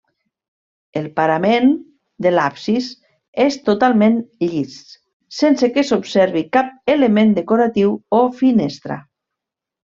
El parament de l'absis és totalment llis, sense que s'observi cap element decoratiu o finestra.